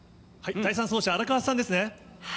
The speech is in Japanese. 第３走者、荒川さんですね。